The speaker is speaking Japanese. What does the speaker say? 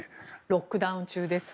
ロックダウン中です。